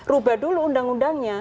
rubah dulu undang undangnya